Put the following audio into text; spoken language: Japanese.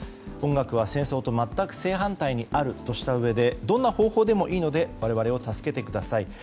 音楽は戦争と全く正反対にあるとしたうえでどんな方法でもいいので我々を助けてください。